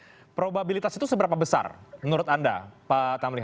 oke probabilitas itu seberapa besar menurut anda pak tamliha